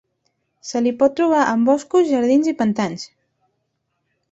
Se li pot trobar en boscos, jardins i pantans.